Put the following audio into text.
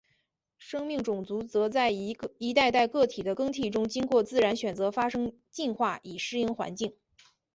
生命种群则在一代代个体的更替中经过自然选择发生进化以适应环境。